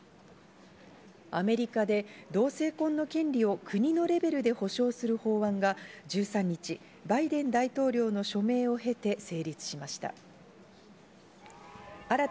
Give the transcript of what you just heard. アメリカで同性婚の権利を国のレベルで保証する法案が１３日、バイデン大統領の署名を経て成立しました。